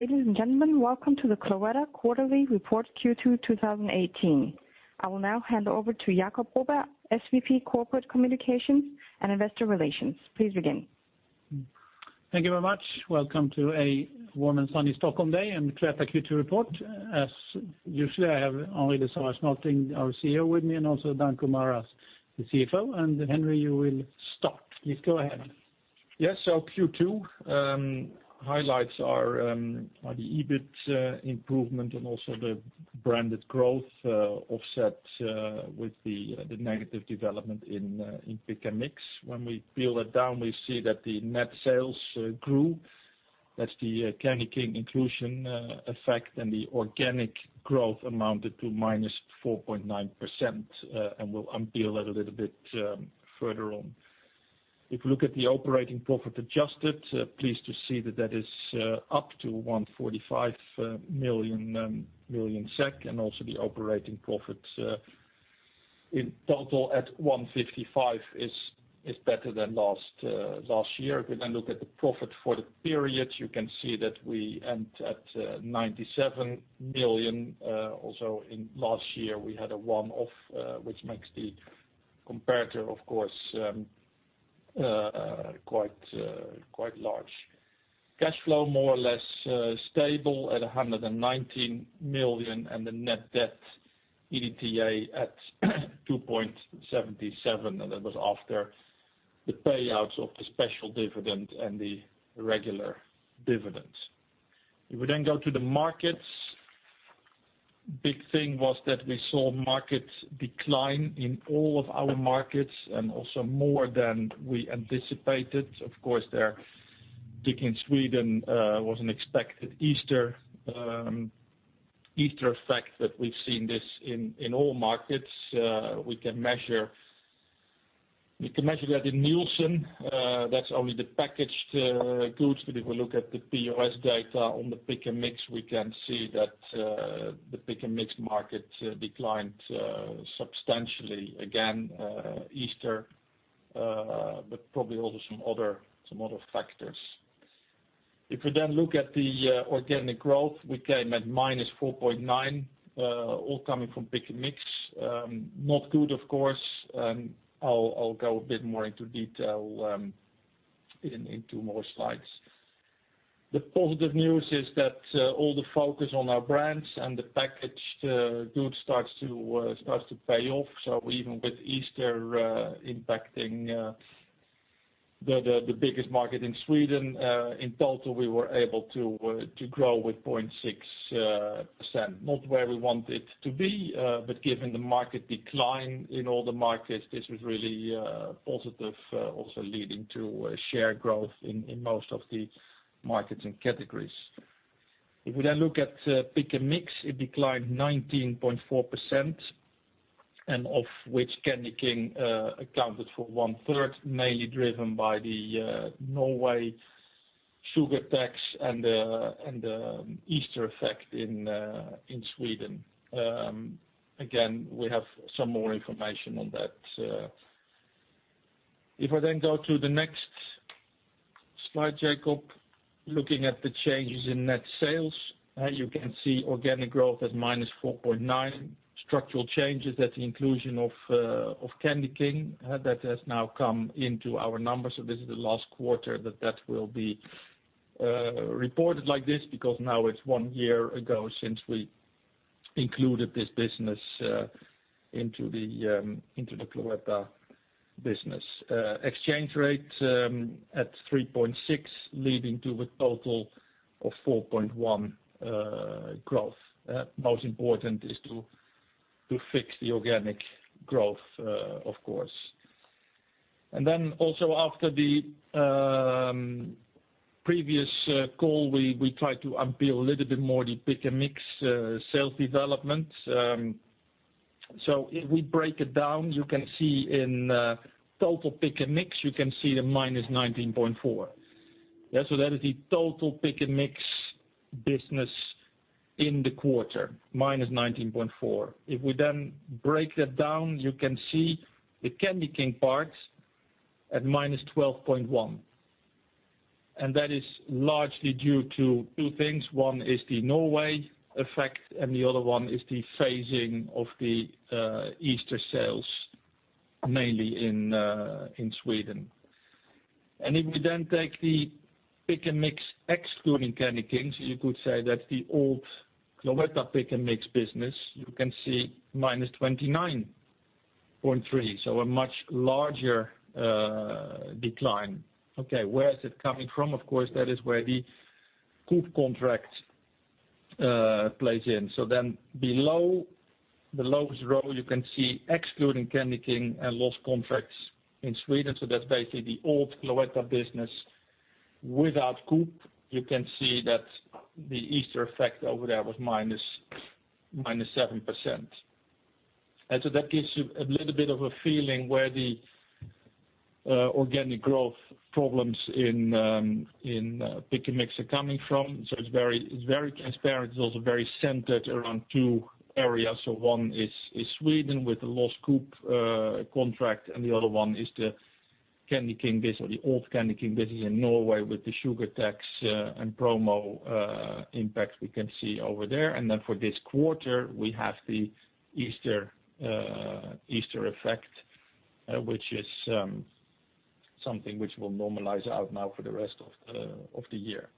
Ladies and gentlemen, welcome to the Cloetta quarterly report Q2 2018. I will now hand over to Jacob Broberg, SVP Corporate Communications and Investor Relations. Please begin. Thank you very much. Welcome to a warm and sunny Stockholm day and Cloetta Q2 report. As usual, I have Henri de Sauvage Nolting, our CEO, with me and also Danko Maras, the CFO. Henri, you will start. Please go ahead. Yes. So Q2 highlights are the EBIT improvement and also the branded growth, offset with the negative development in Pick & Mix. When we peel that down, we see that the net sales grew. That's the Candyking inclusion effect, and the organic growth amounted to -4.9%, and we'll unpeel that a little bit further on. If we look at the operating profit adjusted, pleased to see that that is up to 145 million, and also the operating profit in total at 155 million is better than last year. If we then look at the profit for the period, you can see that we end at 97 million. Also in last year, we had a one-off, which makes the comparator, of course, quite large. Cash flow, more or less, stable at 119 million, and the net debt EBITDA at 2.77, and that was after the payouts of the special dividend and the regular dividend. If we then go to the markets, big thing was that we saw market decline in all of our markets and also more than we anticipated. Of course, there decline in Sweden, was an expected Easter effect that we've seen this in all markets. We can measure that in Nielsen. That's only the packaged goods, but if we look at the POS data on the Pick & Mix, we can see that the Pick & Mix market declined substantially again Easter, but probably also some other factors. If we then look at the organic growth, we came at -4.9%, all coming from Pick & Mix. Not good, of course. I'll go a bit more into detail, into more slides. The positive news is that all the focus on our brands and the packaged goods starts to pay off. So even with Easter impacting the biggest market in Sweden, in total, we were able to grow with 0.6%. Not where we wanted to be, but given the market decline in all the markets, this was really positive, also leading to share growth in most of the markets and categories. If we then look at Pick & Mix, it declined 19.4%, of which Candyking accounted for 1/3, mainly driven by the Norway sugar tax and the Easter effect in Sweden. Again, we have some more information on that. If I then go to the next slide, Jacob, looking at the changes in net sales, you can see organic growth at -4.9%, structural changes at the inclusion of Candyking, that has now come into our numbers. So this is the last quarter that that will be reported like this because now it's one year ago since we included this business into the Cloetta business. Exchange rate at 3.6%, leading to a total of 4.1% growth. Most important is to fix the organic growth, of course. And then also after the previous call, we tried to unpeel a little bit more the Pick & Mix sales development. So if we break it down, you can see in total Pick & Mix, you can see the -19.4%. Yeah? So that is the total Pick & Mix business in the quarter, -19.4%. If we then break that down, you can see the Candyking parts at -12.1%. And that is largely due to two things. One is the Norway effect, and the other one is the phasing of the Easter sales, mainly in Sweden. And if we then take the Pick & Mix excluding Candyking, so you could say that's the old Cloetta Pick & Mix business, you can see -29.3%, so a much larger decline. Okay. Where is it coming from? Of course, that is where the Coop contract plays in. So then below the lowest row, you can see excluding Candyking and lost contracts in Sweden. So that's basically the old Cloetta business without Coop. You can see that the Easter effect over there was -7%. And so that gives you a little bit of a feeling where the organic growth problems in Pick & Mix are coming from. So it's very it's very transparent. It's also very centered around two areas. So one is Sweden with the lost Coop contract, and the other one is the Candyking business or the old Candyking business in Norway with the sugar tax, and promo impact we can see over there. And then for this quarter, we have the Easter Easter effect, which is something which will normalize out now for the rest of the year.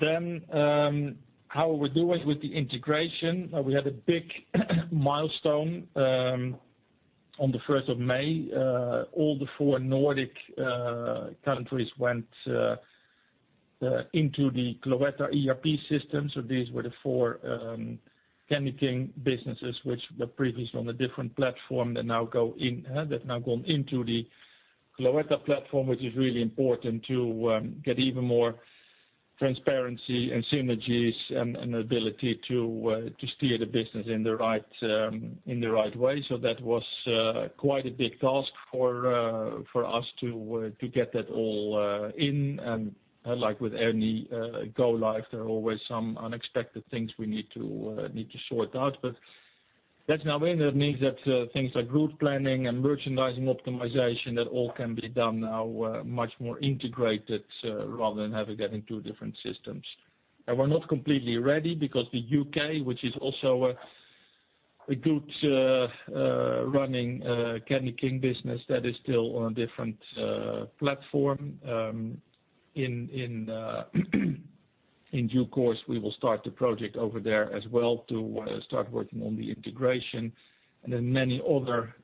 Then, how we're doing with the integration, we had a big milestone on the 1st of May. All four Nordic countries went into the Cloetta ERP system. So these were the four Candyking businesses which were previously on a different platform. They now go in, they've now gone into the Cloetta platform, which is really important to get even more transparency and synergies and ability to steer the business in the right way. So that was quite a big task for us to get that all in. And like with any go-live, there are always some unexpected things we need to sort out. But that's now in. That means that things like route planning and merchandising optimization, that all can be done now much more integrated, rather than having to get into different systems. And we're not completely ready because the UK, which is also a good running Candyking business, that is still on a different platform. In due course, we will start the project over there as well to start working on the integration and then many other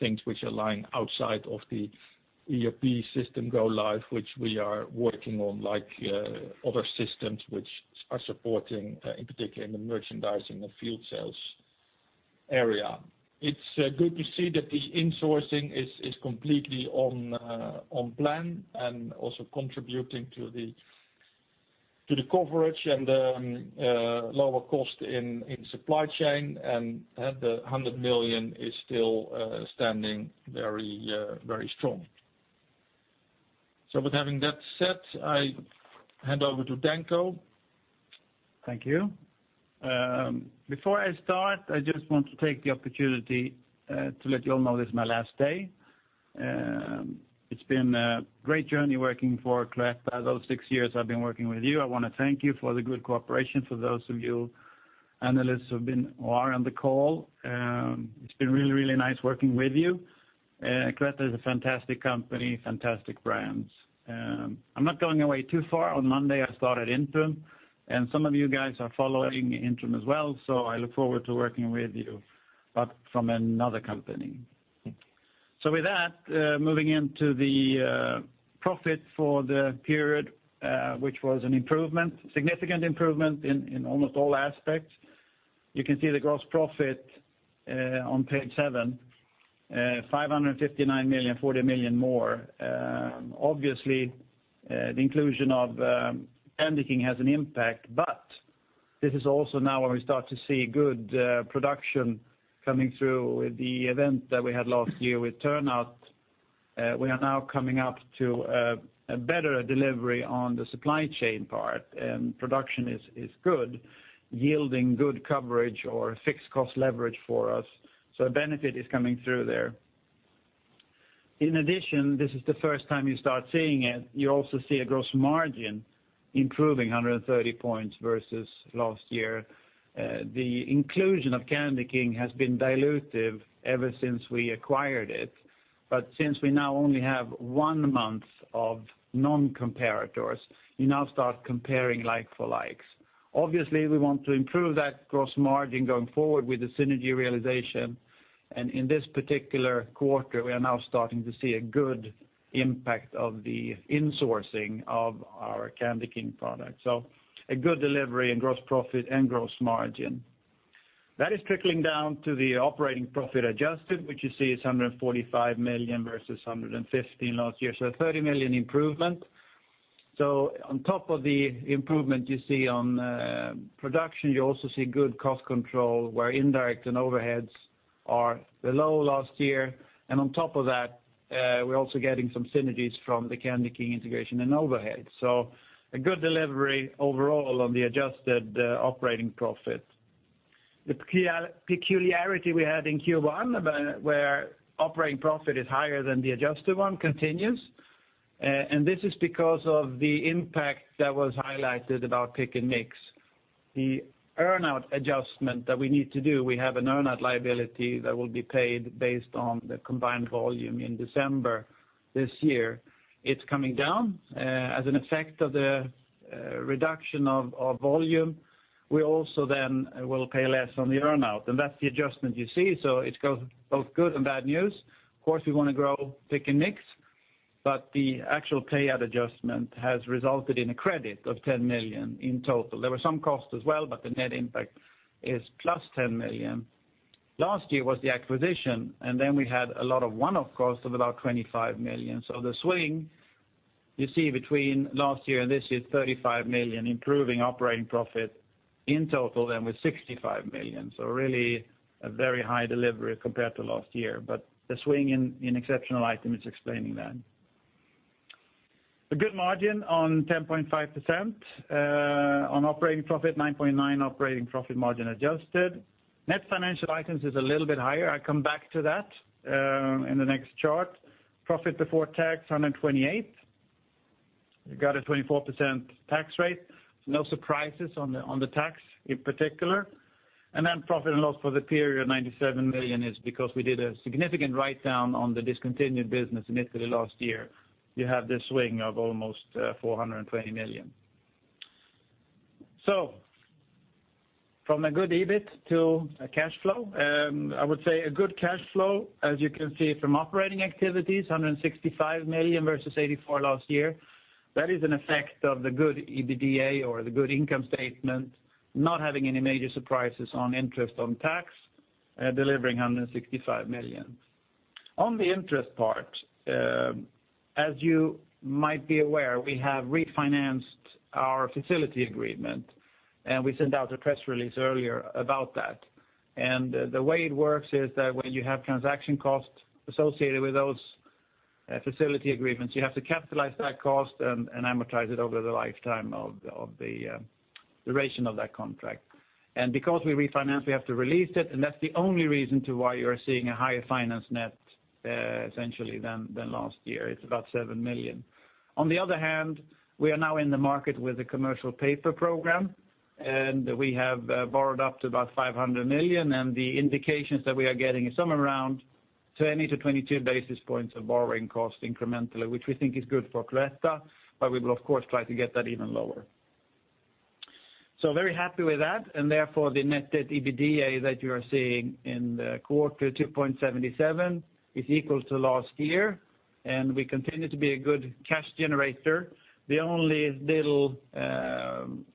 things which are lying outside of the ERP system go-live, which we are working on, like other systems which are supporting, in particular in the merchandising and field sales area. It's good to see that the insourcing is completely on plan and also contributing to the coverage and the lower cost in supply chain. And the 100 million is still standing very, very strong. So with having that said, I hand over to Danko. Thank you. Before I start, I just want to take the opportunity to let you all know this is my last day. It's been a great journey working for Cloetta. Those six years I've been working with you, I wanna thank you for the good cooperation. For those of you analysts who've been or are on the call, it's been really, really nice working with you. Cloetta is a fantastic company, fantastic brands. I'm not going away too far. On Monday, I start at Intrum, and some of you guys are following Intrum as well, so I look forward to working with you, but from another company. So with that, moving into the profit for the period, which was an improvement, significant improvement in almost all aspects. You can see the gross profit, on page seven, 559 million, 40 million more. Obviously, the inclusion of Candyking has an impact, but this is also now when we start to see good production coming through with the event that we had last year with Turnhout. We are now coming up to a better delivery on the supply chain part, and production is good, yielding good coverage or fixed cost leverage for us. So a benefit is coming through there. In addition, this is the first time you start seeing it. You also see a gross margin improving 130 points versus last year. The inclusion of Candyking has been dilutive ever since we acquired it. But since we now only have one month of non-comparators, you now start comparing like for likes. Obviously, we want to improve that gross margin going forward with the synergy realization. In this particular quarter, we are now starting to see a good impact of the insourcing of our Candyking product. So a good delivery in gross profit and gross margin. That is trickling down to the operating profit adjusted, which you see is 145 million versus 115 million last year. So 30 million improvement. So on top of the improvement you see on production, you also see good cost control where indirect and overheads are below last year. And on top of that, we're also getting some synergies from the Candyking integration and overheads. So a good delivery overall on the adjusted operating profit. The peculiarity we had in Q1, where operating profit is higher than the adjusted one, continues. And this is because of the impact that was highlighted about Pick & Mix. The earnout adjustment that we need to do, we have an earnout liability that will be paid based on the combined volume in December this year. It's coming down, as an effect of the, reduction of, of volume. We also then will pay less on the earnout. That's the adjustment you see. It's both good and bad news. Of course, we wanna grow Pick & Mix, but the actual payout adjustment has resulted in a credit of 10 million in total. There were some costs as well, but the net impact is plus 10 million. Last year was the acquisition, and then we had a lot of one-off costs of about 25 million. The swing you see between last year and this year is 35 million, improving operating profit in total then with 65 million. Really a very high delivery compared to last year. But the swing in exceptional items is explaining that. A good margin on 10.5%, on operating profit, 9.9% operating profit margin adjusted. Net financial items is a little bit higher. I'll come back to that, in the next chart. Profit before tax 128 million. You got a 24% tax rate. No surprises on the tax in particular. And then profit and loss for the period, 97 million, is because we did a significant write-down on the discontinued business in Italy last year. You have this swing of almost 420 million. So from a good EBIT to a cash flow, I would say a good cash flow, as you can see from operating activities, 165 million versus 84 million last year. That is an effect of the good EBITDA or the good income statement, not having any major surprises on interest on tax, delivering 165 million. On the interest part, as you might be aware, we have refinanced our facility agreement, and we sent out a press release earlier about that. The way it works is that when you have transaction costs associated with those facility agreements, you have to capitalize that cost and amortize it over the lifetime of the duration of that contract. Because we refinance, we have to release it, and that's the only reason why you are seeing a higher finance net, essentially than last year. It's about 7 million. On the other hand, we are now in the market with a commercial paper program, and we have borrowed up to about 500 million. The indications that we are getting is somewhere around 20-22 basis points of borrowing cost incrementally, which we think is good for Cloetta, but we will, of course, try to get that even lower. So very happy with that. And therefore, the net debt EBITDA that you are seeing in the quarter, 2.77, is equal to last year. And we continue to be a good cash generator. The only little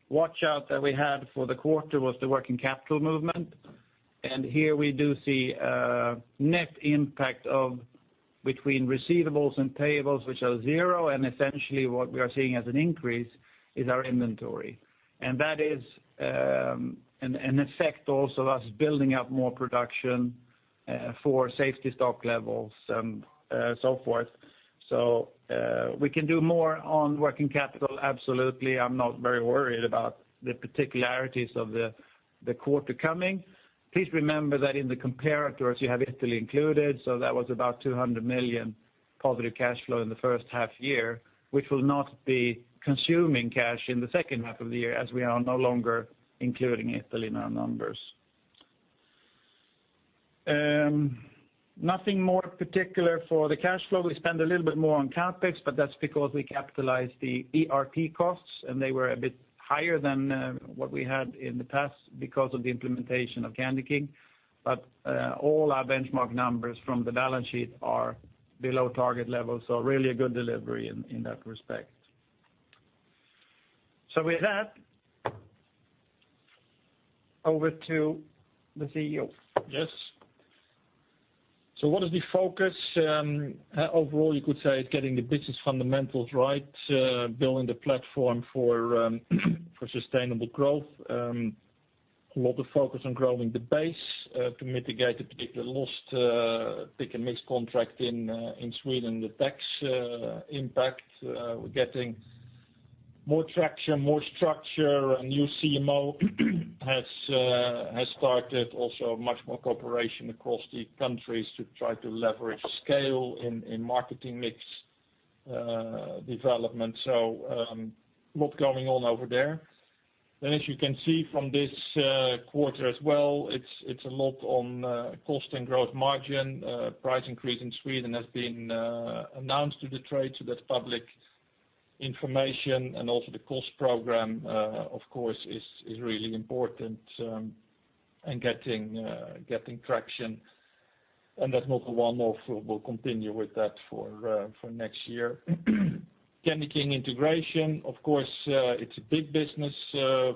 watch-out that we had for the quarter was the working capital movement. And here we do see net impact of between receivables and payables, which are zero. And essentially, what we are seeing as an increase is our inventory. And that is an effect also of us building up more production for safety stock levels and so forth. So we can do more on working capital, absolutely. I'm not very worried about the particularities of the, the quarter coming. Please remember that in the comparators, you have Italy included. So that was about 200 million positive cash flow in the first half year, which will not be consuming cash in the second half of the year as we are no longer including Italy in our numbers. Nothing more particular for the cash flow. We spend a little bit more on CapEx, but that's because we capitalized the ERP costs, and they were a bit higher than what we had in the past because of the implementation of Candyking. But all our benchmark numbers from the balance sheet are below target levels. So really a good delivery in that respect. So with that, over to the CEO. Yes. So what is the focus, overall? You could say it's getting the business fundamentals right, building the platform for sustainable growth. A lot of focus on growing the base, to mitigate the particular lost Pick & Mix contract in Sweden, the tax impact. We're getting more traction, more structure. A new CMO has started, also much more cooperation across the countries to try to leverage scale in marketing mix development. So, a lot going on over there. Then, as you can see from this quarter as well, it's a lot on cost and growth margin. Price increase in Sweden has been announced to the trade. So that's public information. And also the cost program, of course, is really important, and getting traction. And that's not the one-off. We'll continue with that for next year. Candyking integration, of course, it's a big business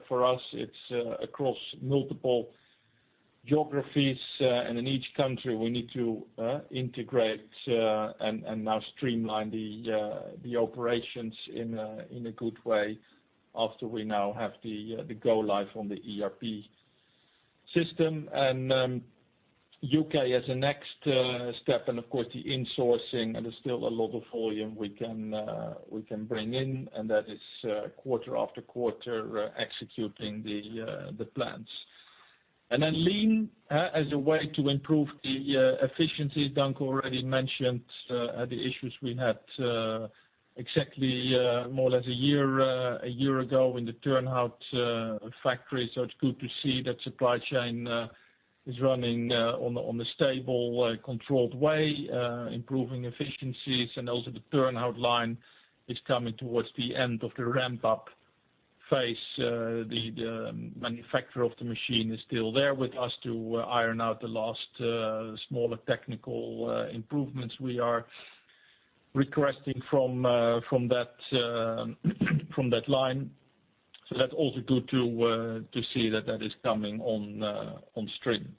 for us. It's across multiple geographies, and in each country, we need to integrate and now streamline the operations in a good way after we now have the go-live on the ERP system. And UK as a next step. And of course, the insourcing. And there's still a lot of volume we can bring in. And that is quarter after quarter executing the plans. And then Lean as a way to improve the efficiencies. Danko already mentioned the issues we had exactly more or less a year ago in the Turnhout factory. So it's good to see that supply chain is running in a stable, controlled way, improving efficiencies. And also the Turnhout line is coming towards the end of the ramp-up phase. The manufacturer of the machine is still there with us to iron out the last smaller technical improvements we are requesting from that line. So that's also good to see that that is coming on stream.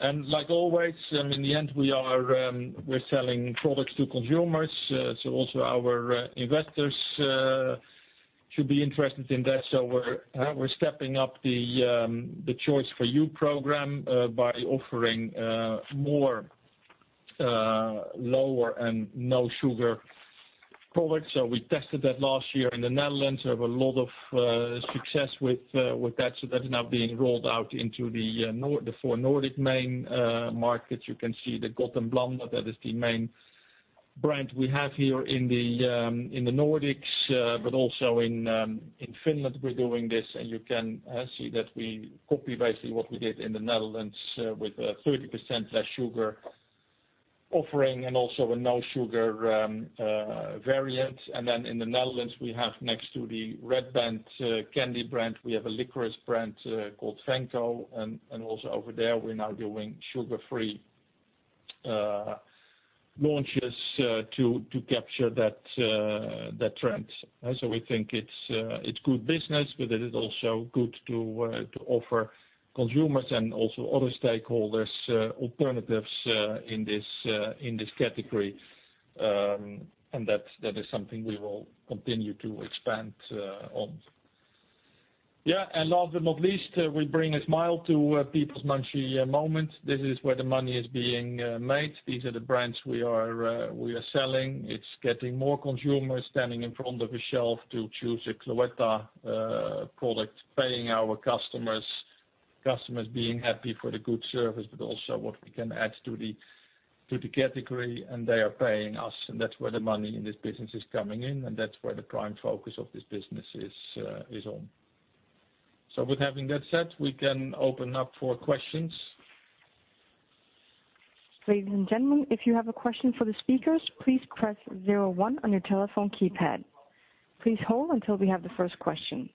And like always, in the end, we're selling products to consumers, so also our investors should be interested in that. So we're stepping up the Choice For You program by offering more lower and no-sugar products. So we tested that last year in the Netherlands. We have a lot of success with that. So that's now being rolled out into the four Nordic main markets. You can see the Gott & Blandat. That is the main brand we have here in the Nordics, but also in Finland, we're doing this. And you can see that we copy basically what we did in the Netherlands, with a 30% less sugar offering and also a no-sugar variant. And then in the Netherlands, we have next to the Red Band candy brand, we have a licorice brand, called Venco. And also over there, we're now doing sugar-free launches to capture that trend. So we think it's good business, but it is also good to offer consumers and also other stakeholders alternatives in this category. And that is something we will continue to expand on. Yeah. And last but not least, we bring a smile to people's Munchy Moments. This is where the money is being made. These are the brands we are selling. It's getting more consumers standing in front of a shelf to choose a Cloetta product, paying our customers, customers being happy for the good service, but also what we can add to the to the category. And they are paying us. And that's where the money in this business is coming in. And that's where the prime focus of this business is, is on. So with having that said, we can open up for questions. Ladies and gentlemen, if you have a question for the speakers, please press zero one on your telephone keypad. Please hold until we have the first question.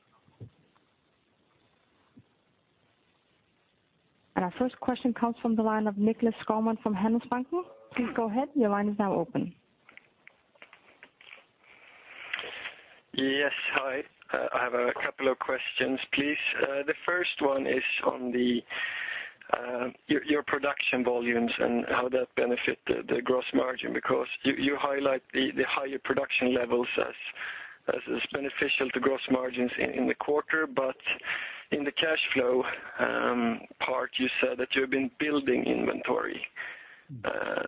Our first question comes from the line of Nicklas Skogman from Handelsbanken. Please go ahead. Your line is now open. Yes. Hi. I have a couple of questions, please. The first one is on the, your, your production volumes and how that benefit the, the gross margin because you, you highlight the, the higher production levels as, as, as beneficial to gross margins in, in the quarter. But in the cash flow, part, you said that you have been building inventory, ahead.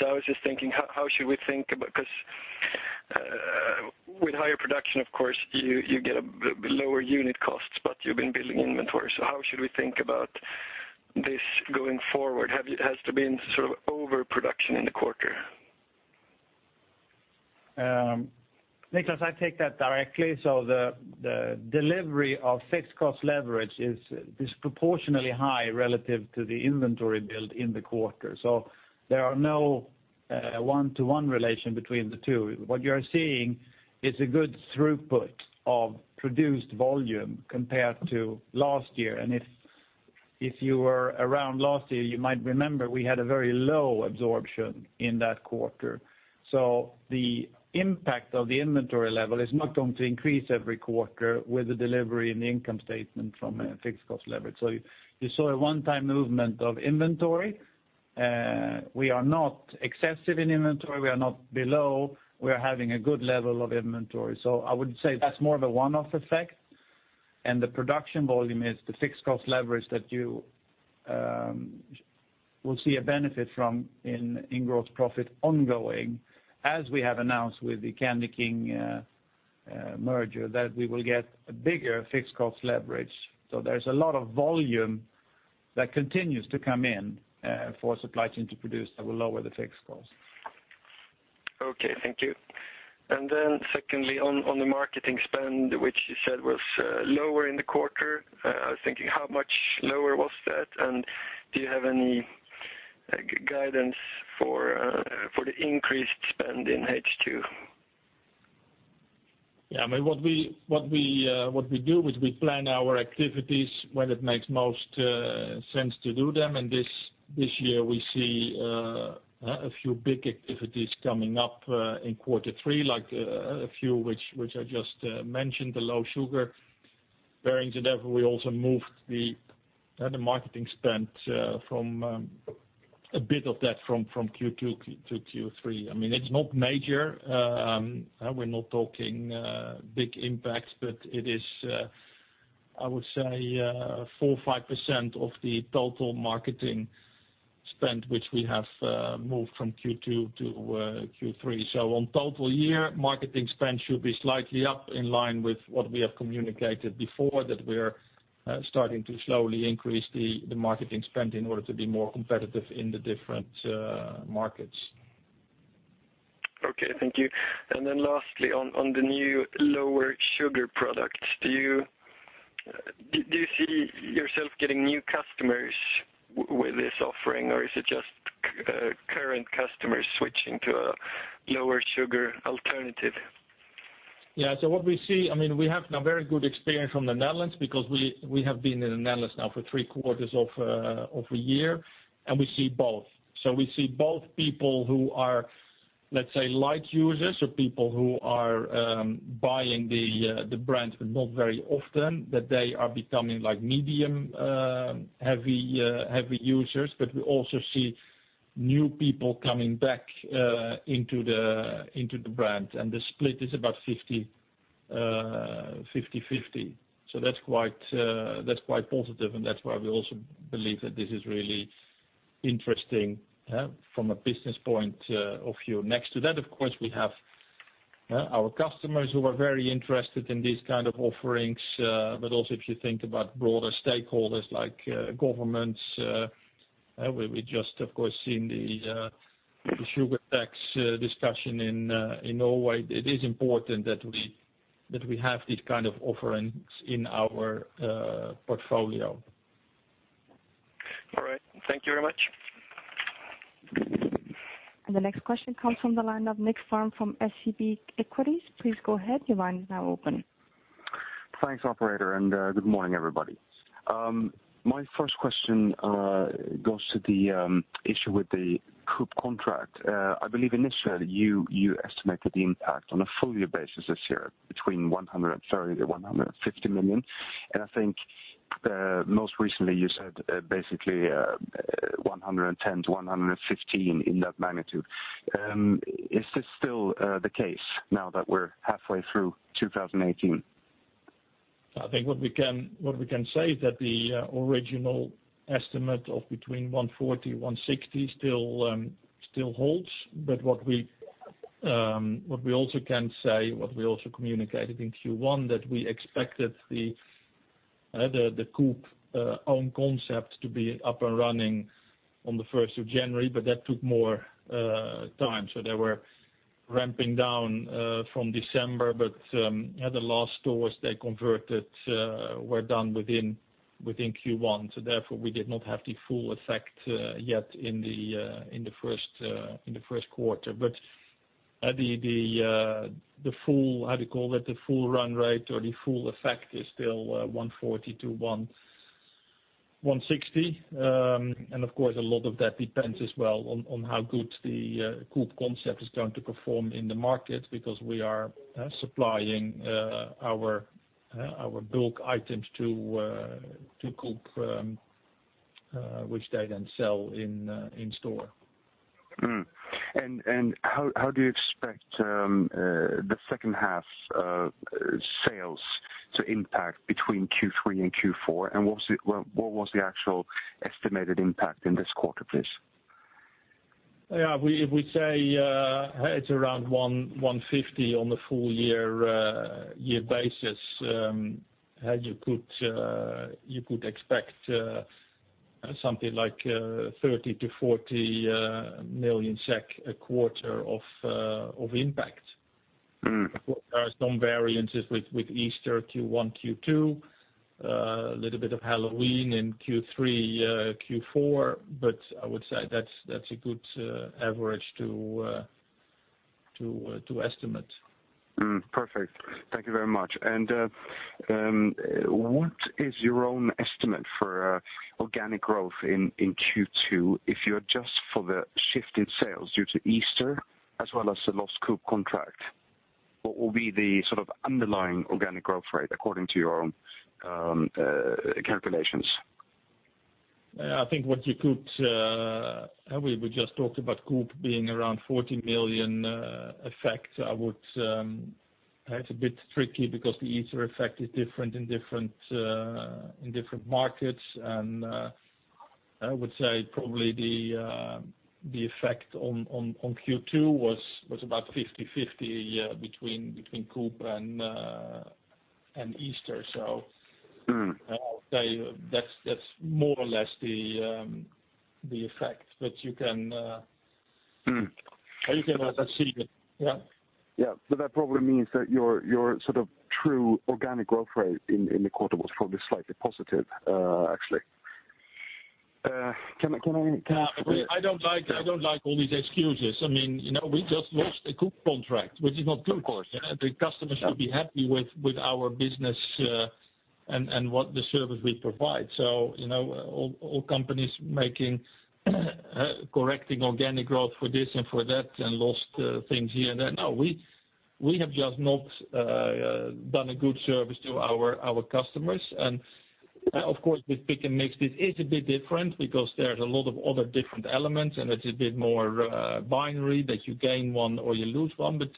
So I was just thinking, how, how should we think about 'cause, with higher production, of course, you, you get a lower unit costs, but you've been building inventory. So how should we think about this going forward? Have you has there been sort of overproduction in the quarter? Nicklas, I take that directly. So the, the delivery of fixed cost leverage is disproportionately high relative to the inventory build in the quarter. So there are no, one-to-one relation between the two. What you are seeing is a good throughput of produced volume compared to last year. And if, if you were around last year, you might remember we had a very low absorption in that quarter. So the impact of the inventory level is not going to increase every quarter with the delivery in the income statement from a fixed cost leverage. So you, you saw a one-time movement of inventory. We are not excessive in inventory. We are not below. We are having a good level of inventory. So I would say that's more of a one-off effect. The production volume is the fixed cost leverage that you will see a benefit from in gross profit ongoing. As we have announced with the Candyking merger, that we will get a bigger fixed cost leverage. There's a lot of volume that continues to come in for supply chain to produce that will lower the fixed cost. Okay. Thank you. And then secondly, on the marketing spend, which you said was lower in the quarter, I was thinking how much lower was that? And do you have any guidance for the increased spend in H2? Yeah. I mean, what we do, which we plan our activities when it makes most sense to do them. And this year, we see a few big activities coming up in quarter three, like a few which I just mentioned, the low sugar variants and ever. We also moved the marketing spend, a bit of that from Q2 to Q3. I mean, it's not major. We're not talking big impacts, but it is, I would say, 4%-5% of the total marketing spend, which we have moved from Q2 to Q3. So on total year, marketing spend should be slightly up in line with what we have communicated before that we are starting to slowly increase the marketing spend in order to be more competitive in the different markets. Okay. Thank you. And then lastly, on the new lower sugar products, do you see yourself getting new customers with this offering, or is it just current customers switching to a lower sugar alternative? Yeah. So what we see, I mean, we have now very good experience from the Netherlands because we have been in the Netherlands now for three quarters of a year. And we see both. So we see both people who are, let's say, light users or people who are buying the brand but not very often, that they are becoming like medium heavy users. But we also see new people coming back into the brand. And the split is about 50/50. So that's quite positive. And that's why we also believe that this is really interesting from a business point of view. Next to that, of course, we have our customers who are very interested in these kind of offerings. but also if you think about broader stakeholders like governments, we just, of course, seen the sugar tax discussion in Norway. It is important that we have these kind of offerings in our portfolio. All right. Thank you very much. The next question comes from the line of Nicklas Fhärm from SEB Equities. Please go ahead. Your line is now open. Thanks, operator. And good morning, everybody. My first question goes to the issue with the Coop contract. I believe initially, you estimated the impact on a full-year basis this year between 130 million-150 million. And I think, most recently, you said, basically, 110 million-115 million in that magnitude. Is this still the case now that we're halfway through 2018? I think what we can say is that the original estimate of between 140-160 still holds. But what we also can say, what we also communicated in Q1, that we expected the Coop own concept to be up and running on the 1st of January, but that took more time. So they were ramping down from December. But yeah, the last stores they converted were done within Q1. So therefore, we did not have the full effect yet in the first quarter. But the full how do you call it? The full run rate or the full effect is still 140-160. and of course, a lot of that depends as well on how good the Coop concept is going to perform in the market because we are supplying our bulk items to Coop, which they then sell in store. And how do you expect the second half sales to impact between Q3 and Q4? And what was the actual estimated impact in this quarter, please? Yeah. If we say, it's around 1,150 on a full-year basis, you could expect something like 30 million-40 million SEK a quarter of impact. Of course, there are some variances with Easter Q1, Q2, a little bit of Halloween in Q3, Q4. But I would say that's a good average to estimate. Perfect. Thank you very much. What is your own estimate for organic growth in Q2 if you adjust for the shift in sales due to Easter as well as the lost Coop contract? What will be the sort of underlying organic growth rate according to your own calculations? Yeah. I think what you could, and we just talked about Coop being around 40 million effect. I would, it's a bit tricky because the Easter effect is different in different markets. And I would say probably the effect on Q2 was about 50/50 between Coop and Easter. So. And I would say that's more or less the effect. But you can or you can also see it yeah. Yeah. But that probably means that your, your sort of true organic growth rate in, in the quarter was probably slightly positive, actually. Can I? Yeah. I don't like all these excuses. I mean, you know, we just lost a Coop contract, which is not good. Of course. Yeah. The customers should be happy with our business, and what the service we provide. So, you know, all companies correcting organic growth for this and for that and lost things here and there. No, we have just not done a good service to our customers. And, of course, with Pick & Mix, it is a bit different because there's a lot of other different elements, and it's a bit more binary that you gain one or you lose one. But,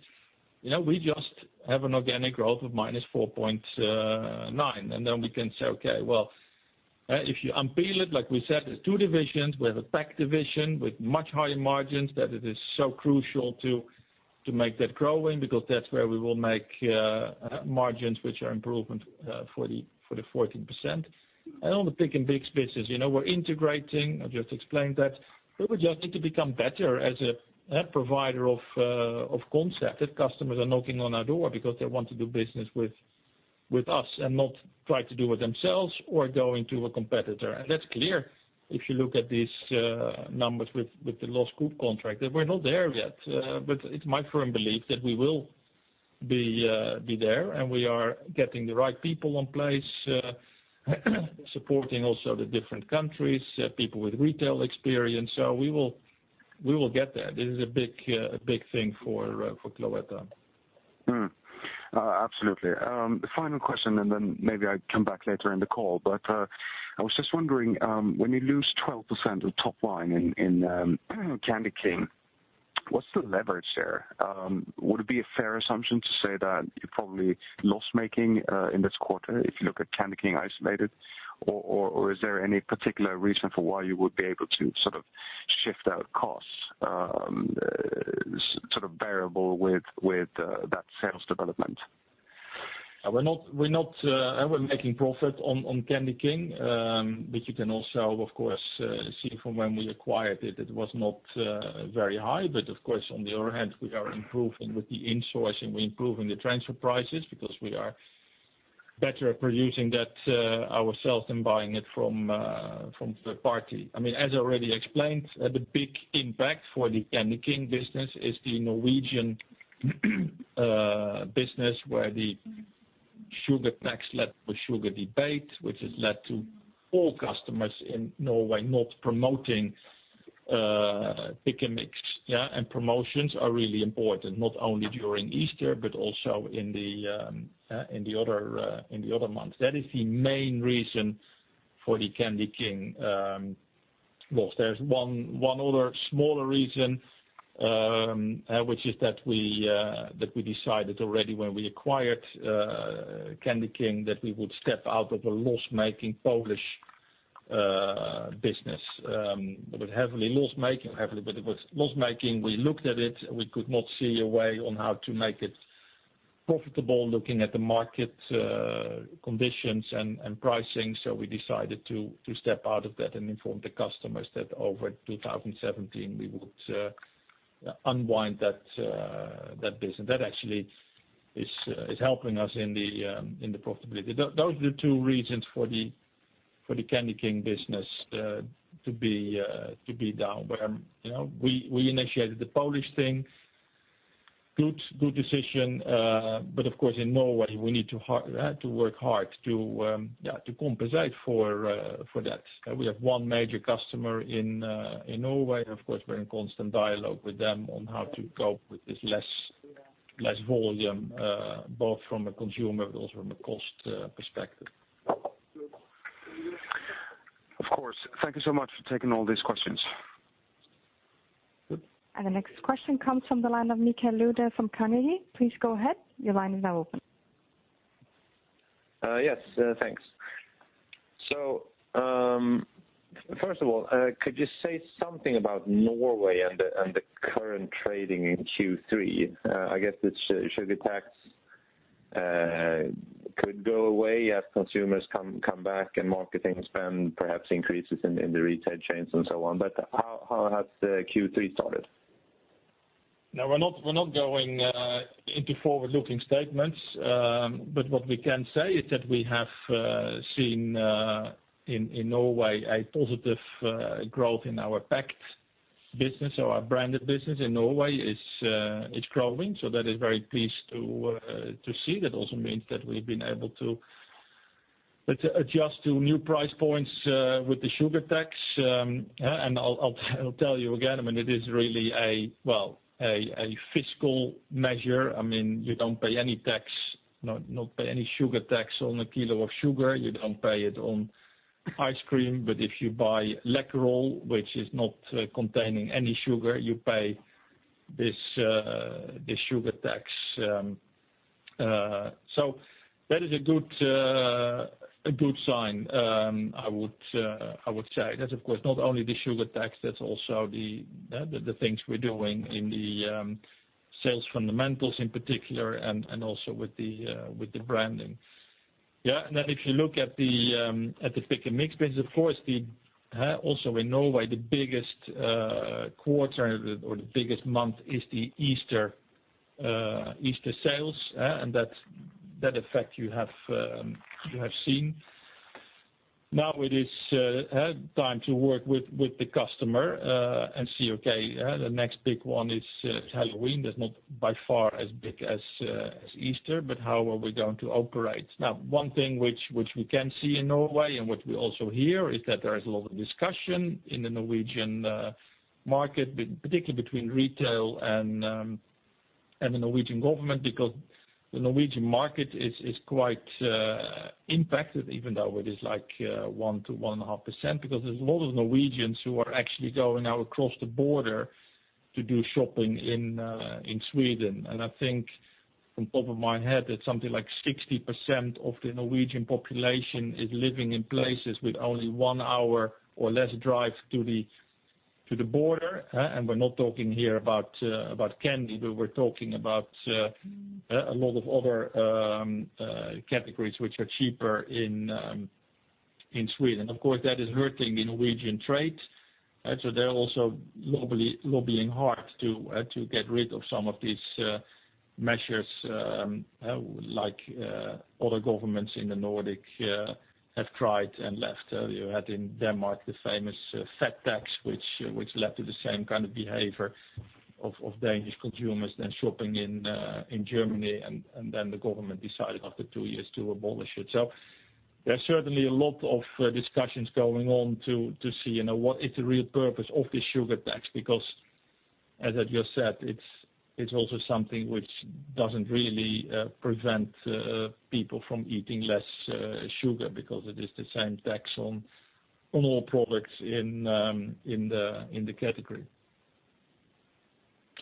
you know, we just have an organic growth of -4.9%. And then we can say, "Okay. Well, if you unpeel it," like we said, "it's two divisions. We have a packed division with much higher margins that it is so crucial to make that growing because that's where we will make margins which are improvement for the 14%. And on the Pick & Mix business, you know, we're integrating. I just explained that. But we just need to become better as a provider of concept that customers are knocking on our door because they want to do business with us and not try to do it themselves or going to a competitor. And that's clear if you look at these numbers with the lost Coop contract. And we're not there yet. But it's my firm belief that we will be there. And we are getting the right people in place, supporting also the different countries, people with retail experience. So we will get that. This is a big thing for Cloetta. Absolutely. Final question, and then maybe I come back later in the call. But, I was just wondering, when you lose 12% of top line in Candyking, what's the leverage there? Would it be a fair assumption to say that you're probably loss-making, in this quarter if you look at Candyking isolated? Or is there any particular reason for why you would be able to sort of shift out costs, sort of bearable with that sales development? We're not, we're not. We're making profit on Candyking. But you can also, of course, see from when we acquired it, it was not very high. But of course, on the other hand, we are improving with the insourcing. We're improving the transfer prices because we are better producing that ourselves than buying it from third party. I mean, as I already explained, the big impact for the Candyking business is the Norwegian business where the sugar tax led to a sugar debate, which has led to all customers in Norway not promoting Pick & Mix, yeah? And promotions are really important, not only during Easter but also in the other months. That is the main reason for the Candyking loss. There's one other smaller reason, which is that we decided already when we acquired Candyking that we would step out of a loss-making Polish business. It was heavily loss-making, but it was loss-making. We looked at it. We could not see a way on how to make it profitable looking at the market conditions and pricing. So we decided to step out of that and informed the customers that over 2017, we would unwind that business. That actually is helping us in the profitability. Those are the two reasons for the Candyking business to be down. Where, you know, we initiated the Polish thing. Good decision. But of course, in Norway, we need to work hard to compensate for that. We have one major customer in Norway. Of course, we're in constant dialogue with them on how to cope with this less volume, both from a consumer but also from a cost perspective. Of course. Thank you so much for taking all these questions. Good. The next question comes from the line of Mikael Laséen from Carnegie Investment Bank. Please go ahead. Your line is now open. Yes. Thanks. So, first of all, could you say something about Norway and the current trading in Q3? I guess the sugar tax could go away as consumers come back, and marketing spend perhaps increases in the retail chains and so on. But how has the Q3 started? Now, we're not going into forward-looking statements, but what we can say is that we have seen in Norway a positive growth in our packed business. So our branded business in Norway is growing. So that is very pleased to see. That also means that we've been able to adjust to new price points with the sugar tax. Yeah. And I'll tell you again. I mean, it is really a fiscal measure. I mean, you don't pay any sugar tax on a kilo of sugar. You don't pay it on ice cream. But if you buy Läkerol, which is not containing any sugar, you pay this sugar tax. So that is a good sign, I would say. That's, of course, not only the sugar tax. That's also the yeah, the things we're doing in the sales fundamentals in particular and also with the branding. Yeah. And then if you look at the pick and mix business, of course also in Norway, the biggest quarter or the biggest month is the Easter sales, yeah? And that effect you have seen. Now it is time to work with the customer and see, "Okay. Yeah. The next big one is Halloween." That's not by far as big as Easter. But how are we going to operate? Now, one thing which we can see in Norway and what we also hear is that there is a lot of discussion in the Norwegian market, particularly between retail and the Norwegian government because the Norwegian market is quite impacted even though it is like 1%-1.5% because there's a lot of Norwegians who are actually going now across the border to do shopping in Sweden. And I think from top of my head, that's something like 60% of the Norwegian population is living in places with only one hour or less drive to the border, yeah? And we're not talking here about candy. But we're talking about, yeah, a lot of other categories which are cheaper in Sweden. Of course, that is hurting the Norwegian trade, yeah? So they're also lobbying hard to get rid of some of these measures, yeah, like other governments in the Nordic have tried and left. You had in Denmark the famous fat tax, which led to the same kind of behavior of Danish consumers then shopping in Germany. Then the government decided after two years to abolish it. So there's certainly a lot of discussions going on to see, you know, what is the real purpose of the sugar tax because, as I just said, it's also something which doesn't really prevent people from eating less sugar because it is the same tax on all products in the category.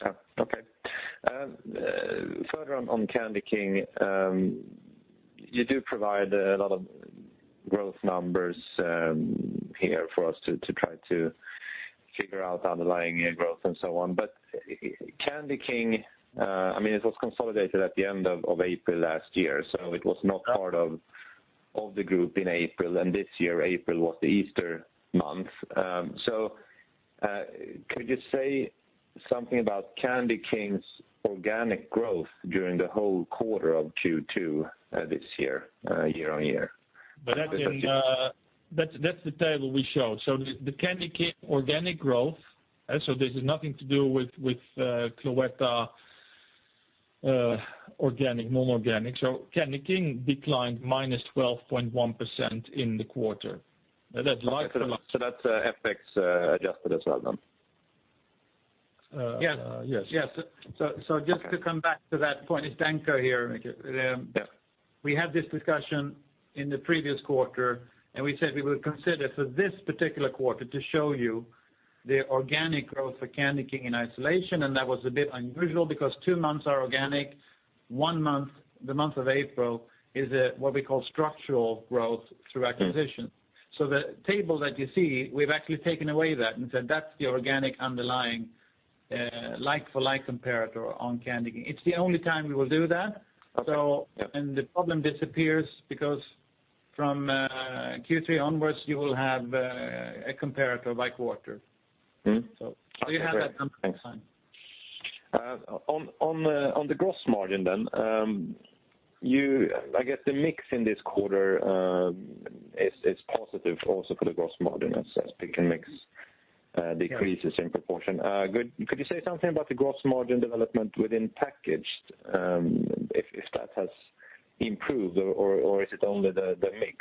Yeah. Okay. Further on, on Candyking, you do provide a lot of growth numbers here for us to try to figure out underlying growth and so on. But Candyking, I mean, it was consolidated at the end of April last year. So it was not part of the group in April. And this year, April was the Easter month. So, could you say something about Candyking's organic growth during the whole quarter of Q2, this year, year on year? But that's the table we showed. So the Candyking organic growth, yeah? So this is nothing to do with Cloetta, organic, non-organic. So Candyking declined -12.1% in the quarter. That's largely large. So that's FX adjusted as well then? Yeah. yes. Yes. So just to come back to that point, it's Danko here, Richard. Yeah. We had this discussion in the previous quarter. And we said we would consider for this particular quarter to show you the organic growth for Candyking in isolation. And that was a bit unusual because two months are organic. One month, the month of April, is what we call structural growth through acquisitions. Mm-hmm. So the table that you see, we've actually taken away that and said that's the organic underlying, like-for-like comparator on Candyking. It's the only time we will do that. Okay. Yeah. So and the problem disappears because from Q3 onwards, you will have a comparator by quarter. Mm-hmm. So. All right. So you have that number. Thanks. Fine. On the gross margin then, you, I guess, the mix in this quarter is positive also for the gross margin as Pick & Mix decreases in proportion. Could you say something about the gross margin development within packaged, if that has improved or is it only the mix?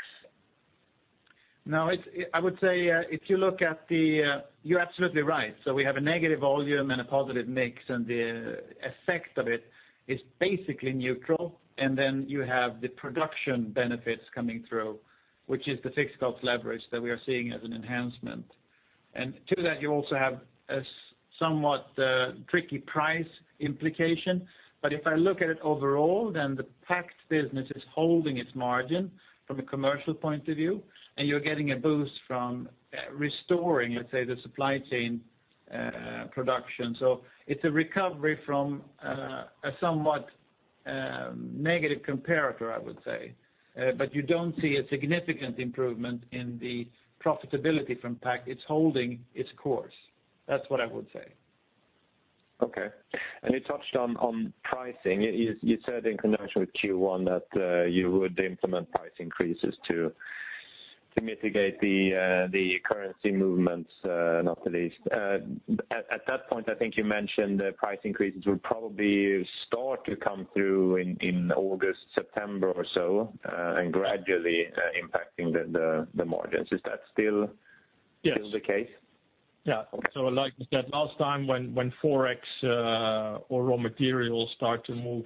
No. It's, I would say, if you look at it, you're absolutely right. So we have a negative volume and a positive mix. And the effect of it is basically neutral. And then you have the production benefits coming through, which is the fixed cost leverage that we are seeing as an enhancement. And to that, you also have a somewhat tricky price implication. But if I look at it overall, then the packaged business is holding its margin from a commercial point of view. You're getting a boost from restoring, let's say, the supply chain, production. So it's a recovery from a somewhat negative comparator, I would say. But you don't see a significant improvement in the profitability from Pick & Mix. It's holding its course. That's what I would say. Okay. You touched on pricing. You said in connection with Q1 that you would implement price increases to mitigate the currency movements, not the least. At that point, I think you mentioned the price increases would probably start to come through in August, September or so, and gradually impacting the margins. Is that still the case? Yeah. Okay. So like we said last time, when Forex or raw materials start to move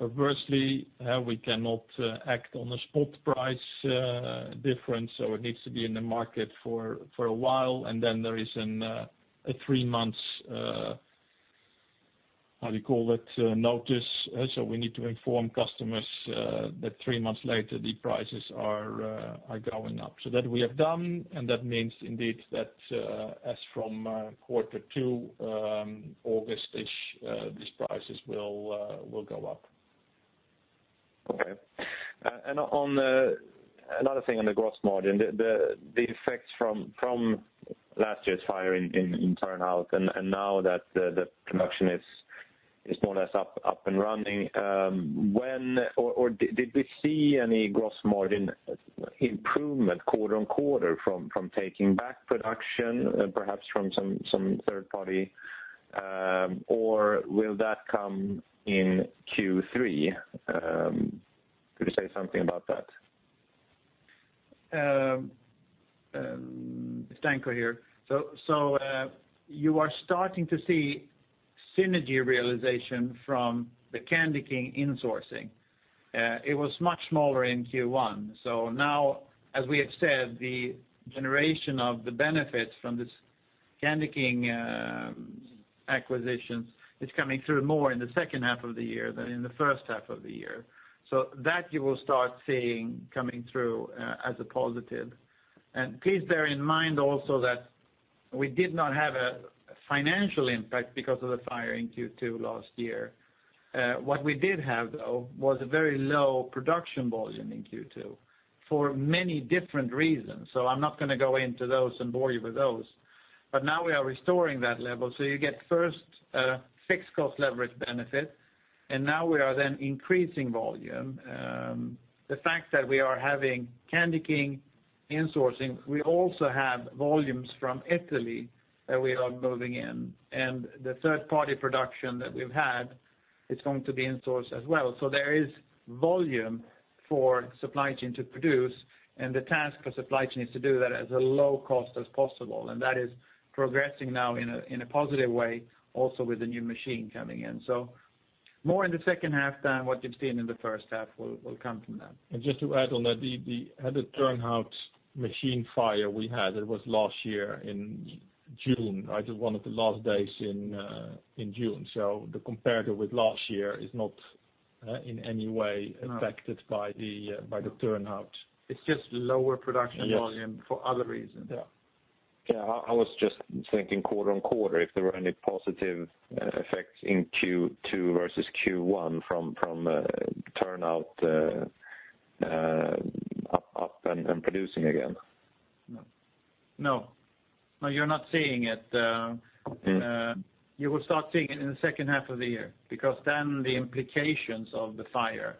aversely, yeah, we cannot act on a spot price difference. So it needs to be in the market for a while. And then there is a three-month notice, yeah? So we need to inform customers that three months later the prices are going up. So that we have done. And that means indeed that as from quarter two, August-ish, these prices will go up. Okay. On another thing on the gross margin. The effects from last year's fire in Turnhout and now that the production is more or less up and running, did we see any gross margin improvement quarter on quarter from taking back production, perhaps from some third party, or will that come in Q3? Could you say something about that? It's Danko here. So, you are starting to see synergy realization from the Candyking insourcing. It was much smaller in Q1. So now, as we have said, the generation of the benefits from this Candyking acquisition, it's coming through more in the second half of the year than in the first half of the year. So that you will start seeing coming through as a positive. And please bear in mind also that we did not have a financial impact because of the fire in Q2 last year. What we did have, though, was a very low production volume in Q2 for many different reasons. So I'm not going to go into those and bore you with those. But now, we are restoring that level. So you get first, fixed cost leverage benefit. And now, we are then increasing volume. The fact that we are having Candyking insourcing, we also have volumes from Italy that we are moving in. And the third-party production that we've had is going to be insourced as well. So there is volume for supply chain to produce. And the task for supply chain is to do that at a low cost as possible. That is progressing now in a positive way also with the new machine coming in. So more in the second half than what you've seen in the first half will come from that. Just to add on that, the fire at the Turnhout machine we had. It was last year in June. Right? It was one of the last days in June. So the comparator with last year is not in any way. No. Affected by the Turnhout. It's just lower production. Yeah. Volume for other reasons. Yeah. Yeah. I was just thinking quarter on quarter if there were any positive effects in Q2 versus Q1 from Turnhout up and producing again. No. No. No. You're not seeing it. Mm-hmm. You will start seeing it in the second half of the year because then the implications of the fire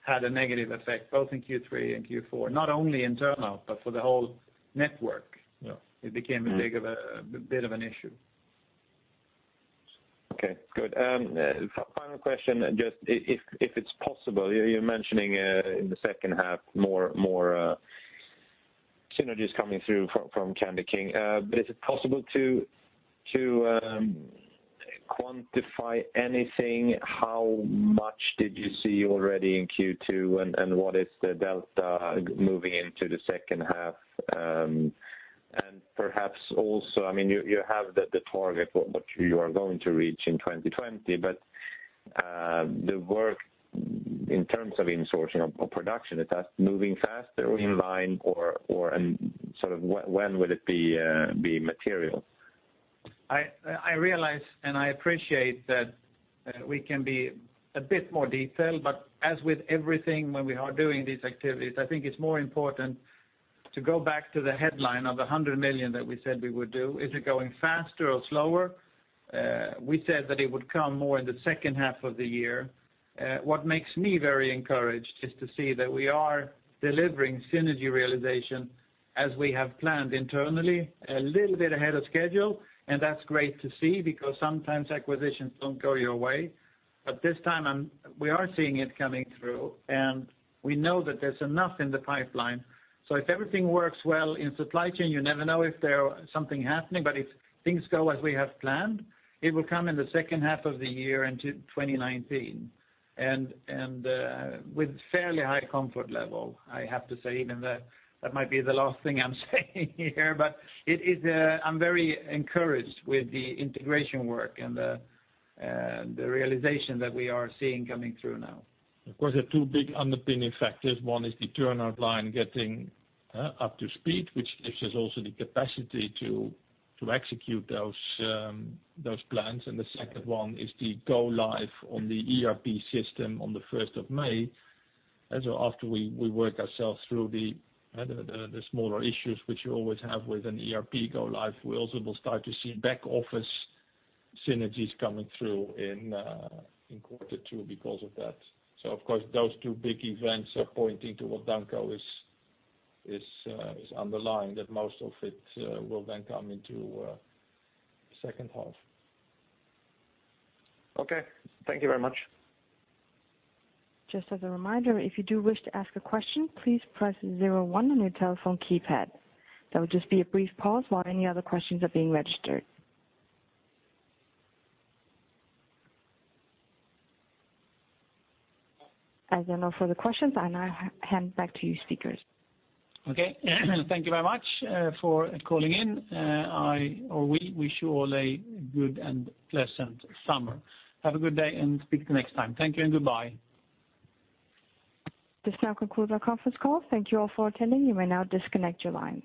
had a negative effect both in Q3 and Q4, not only in Turnhout but for the whole network. Yeah. It became a bit of an issue. Okay. Good. Final question just if it's possible. You're mentioning in the second half more synergies coming through from Candyking. But is it possible to quantify anything? How much did you see already in Q2 and what is the delta moving into the second half? And perhaps also, I mean, you have the target what you are going to reach in 2020. But the work in terms of insourcing of production is that moving faster? Yeah. Or in line, or and sort of, when will it be material? I realize and I appreciate that we can be a bit more detailed. But as with everything when we are doing these activities, I think it's more important to go back to the headline of the 100 million that we said we would do. Is it going faster or slower? We said that it would come more in the second half of the year. What makes me very encouraged is to see that we are delivering synergy realization as we have planned internally, a little bit ahead of schedule. And that's great to see because sometimes, acquisitions don't go your way. But this time, we are seeing it coming through. And we know that there's enough in the pipeline. So if everything works well in supply chain, you never know if there are something happening. But if things go as we have planned, it will come in the second half of the year in 2019 and with fairly high comfort level, I have to say. Even though that might be the last thing I'm saying here. But it is, I'm very encouraged with the integration work and the realization that we are seeing coming through now. Of course, there are two big underpinning factors. One is the Turnhout line getting up to speed, which gives us also the capacity to execute those plans. And the second. Yeah. One is the go-live on the ERP system on the 1st of May, yeah? So after we work ourselves through the smaller issues which you always have with an ERP go-live, we also will start to see back-office synergies coming through in quarter two because of that. So of course, those two big events are pointing to what Danko is underlying, that most of it will then come into the second half. Okay. Thank you very much. Just as a reminder, if you do wish to ask a question, please press zero one on your telephone keypad. There will just be a brief pause while any other questions are being registered. As I know for the questions, I now hand back to you, speakers. Okay. Thank you very much for calling in. I or we, we wish you all a good and pleasant summer. Have a good day. Speak to you next time. Thank you. Goodbye. This now concludes our conference call. Thank you all for attending. You may now disconnect your line.